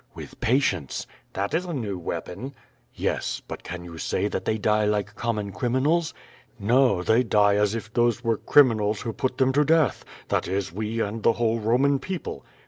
"With patience." "That is a new weapon." js. But can you say that they die like common crimi yA r^ "No! They die as if those were criminals who put theni^ to death. That is, we and the whole Roman people."